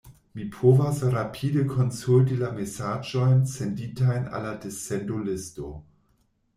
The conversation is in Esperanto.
Mi povas rapide konsulti la mesaĝojn senditajn al la dissendolisto...